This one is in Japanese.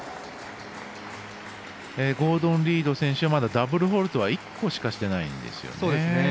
ゴードン・リード選手はまだダブルフォールトは１個しかしてないんですね。